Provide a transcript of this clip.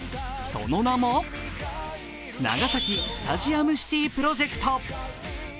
その名も、長崎スタジアムシティプロジェクト。